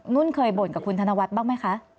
นุ่นเคยบ่นกับคุณธนวัฒน์บ้างไหมคะ